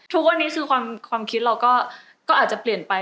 ทุกวันนี้คือความคิดเราก็อาจจะเปลี่ยนไป